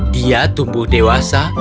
dia tumbuh dewasa